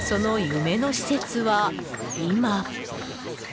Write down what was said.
その夢の施設は今。